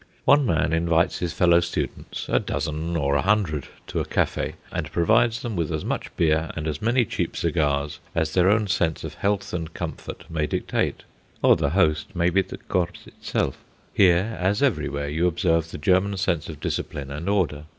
One man invites his fellow students, a dozen or a hundred, to a cafe, and provides them with as much beer and as many cheap cigars as their own sense of health and comfort may dictate, or the host may be the Korps itself. Here, as everywhere, you observe the German sense of discipline and order.